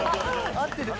合ってる？